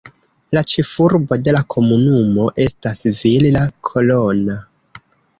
La ĉefurbo de la komunumo estas Villa Corona.